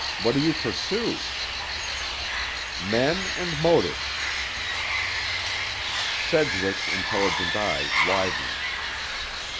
What do you pursue?" "Men and motives." Sedgwick's intelligent eyes widened.